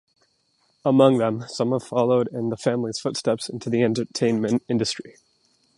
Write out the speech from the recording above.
Among them, some have followed in the family's footsteps into the entertainment industry.